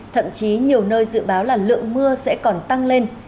thậm chí nhiều nơi dự báo là lượng mưa sẽ còn tăng lên